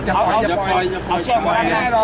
จับได้